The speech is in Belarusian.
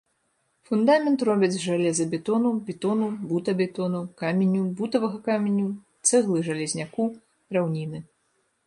Фундамент робяць з жалезабетону, бетону, бута-бетону, каменю, бутавага каменю, цэглы-жалезняку, драўніны.